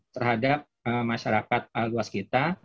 terhadap masyarakat luas kita